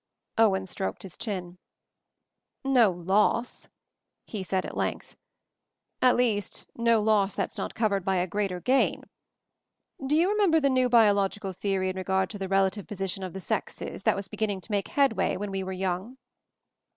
Owen stroked his chin. "No loss," he said at length; "at least, no 100 MOVING THE MOUNTAIN loss that's not covered by a greater gain. Do you remember the new biological theory in regard to the relative position of the sexes that was beginning to make headway when we were young?"